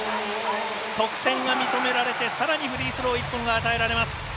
得点が認められてさらにフリースロー１本が与えられます。